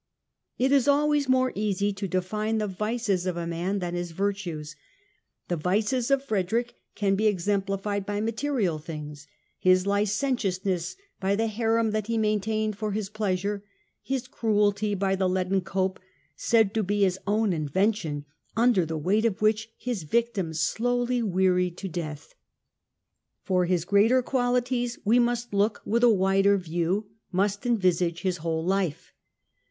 It is always more easy to define the vices of a man than his virtues. The vices of Frederick can be exem plified by material things, his licentiousness by the harem that he maintained for his pleasure, his cruelty by the leaden cope, said to be his own invention, under the weight of which his victims slowly wearied to death. For his great qualities we must look with a wider view, must envisage his whole life.